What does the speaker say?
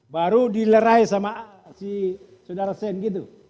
baru dilerai sama si saudara sen gitu